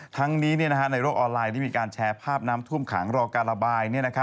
ทั้งนี้ในโลกออนไลน์ได้มีการแชร์ภาพน้ำท่วมขังรอการระบาย